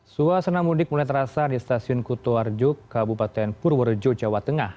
suasana mudik mulai terasa di stasiun kutoarjo kabupaten purworejo jawa tengah